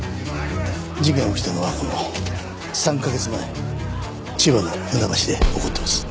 事件が起きたのは３カ月前千葉の船橋で起こってます。